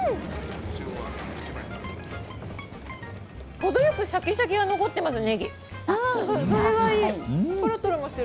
程よくシャキシャキが残ってますね